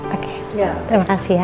oke terima kasih ya